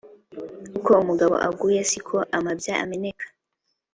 uko umugabo aguye si ko amabya ameneka.